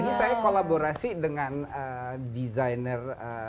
jadi saya kolaborasi dengan desainer